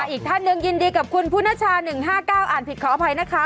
อีกท่านหนึ่งยินดีกับคุณพุนชา๑๕๙อ่านผิดขออภัยนะคะ